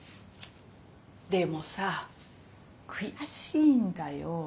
でもさ悔しいんだよ。